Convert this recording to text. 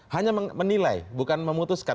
hanya menilai bukan memutuskan